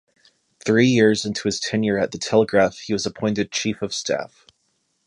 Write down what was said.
Three years into his tenure at the "Telegraph" he was appointed chief of staff.